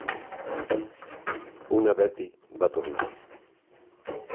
Una "Betty" va tornar.